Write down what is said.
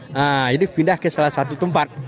nah ini pindah ke salah satu tempat